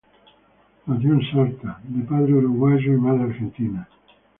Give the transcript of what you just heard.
Nació en Salto de padre uruguayo y madre argentina.